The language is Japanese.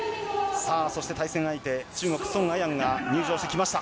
そして対戦相手の中国、ソン・アヤンが入場してきました。